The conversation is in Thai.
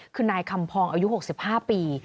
คือนายคำพองอายุ๖๕ปี